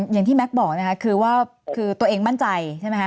อย่างที่แม็กซ์บอกนะคะคือว่าตัวเองมั่นใจใช่ไหมคะ